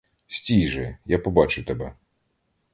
Стій же, я побачу тебе!